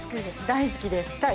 大好きです。